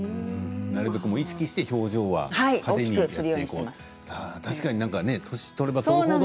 意識して表情は派手にやっていこうと。